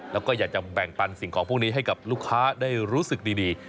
แล้วก็อยากจะแบ่งปันสิ่งของพวกนี้ให้กับลูกค้าได้รู้สึกดี